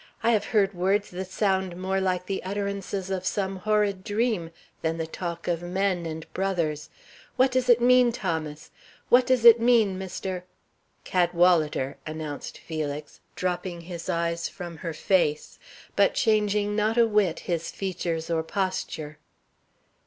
"I have heard words that sound more like the utterances of some horrid dream than the talk of men and brothers. What does it mean, Thomas? What does it mean, Mr. " "Cadwalader," announced Felix, dropping his eyes from her face, but changing not a whit his features or posture.